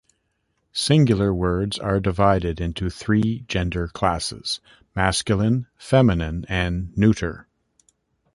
Singular words are divided into three gender classes: masculine, feminine, and neuter.